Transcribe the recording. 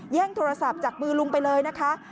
โทรศัพท์จากมือลุงไปเลยนะคะ